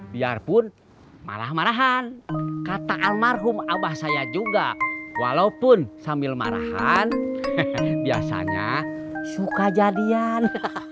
biarpun marah marahan kata almarhum abah saya juga walaupun sambil marahan biasanya suka jadian